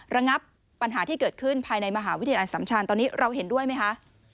ระงับปัญหาที่เกิดขึ้นภายในมหาวิทยาลัยสัมชาญตอนนี้เราเห็นด้วยไหมคะ